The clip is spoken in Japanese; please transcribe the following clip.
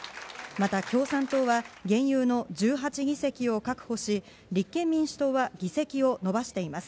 また、共産党は現有の１８議席を確保し立憲民主党は議席を伸ばしています。